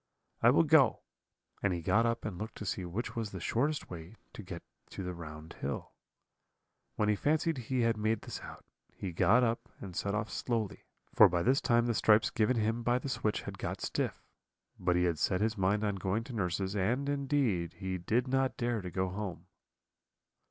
I will go;' and he got up and looked to see which was the shortest way to get to the round hill. When he fancied he had made this out, he got up and set off slowly, for by this time the stripes given him by the switch had got stiff; but he had set his mind on going to nurse's, and, indeed, he did not dare to go home.